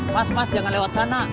pas pas jangan lewat sana